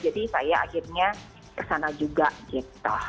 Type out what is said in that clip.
saya akhirnya kesana juga gitu